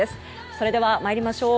それでは参りましょう。